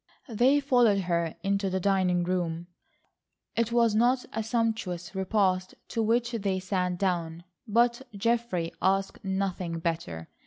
They followed her into the dining room. It was not a sumptuous repast to which they sat down, but Geoffrey asked nothing better.